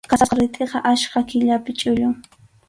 Qasasqa ritʼiqa achka killapi chullun.